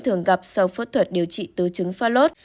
thường gặp sau phẫu thuật điều trị tứ trứng pha lốt